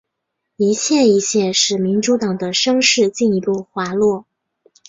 一切一切使民主党的声势进一步滑落。